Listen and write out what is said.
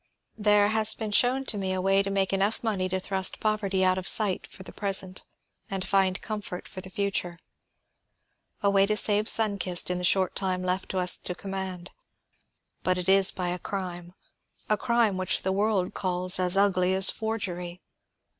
"There has been shown to me a way to make enough money to thrust poverty out of sight for the present and find comfort for the future. A way to save Sun Kist in the short time left us to command. But it is by a crime, a crime which the world calls as ugly as forgery.